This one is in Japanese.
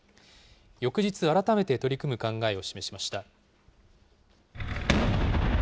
翌日、改めて取り組む考えを示しました。